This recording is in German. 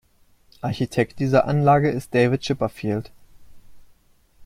Architekt dieser Anlage ist David Chipperfield.